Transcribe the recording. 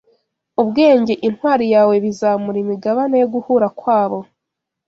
ubwenge intwari yawe bizamura imigabane yo guhura kwabo,